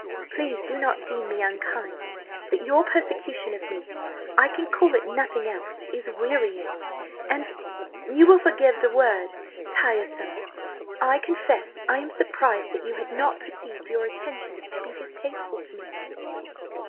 Please do not deem me unkind, but your persecution of me–I can call it nothing else–is wearying–and–you will forgive the word–tiresome. I confess I am surprised that you had not perceived your attentions to be distasteful to me."